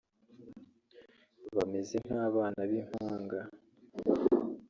Bameze nk’abana b’impanga